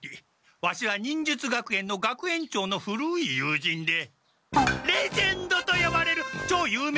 ワシは忍術学園の学園長の古い友人でレジェンドとよばれるちょう有名な一流忍者！